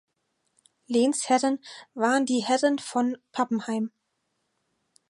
Lehnsherren waren die Herren von Pappenheim.